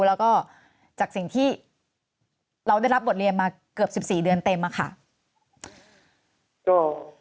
แล้วก็จากสิ่งที่เราได้รับบทเรียนมาเกือบ๑๔เดือนเต็มอะค่ะ